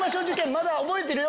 まだ覚えてるよ